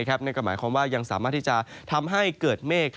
นั่นก็หมายความว่ายังสามารถที่จะทำให้เกิดเมฆ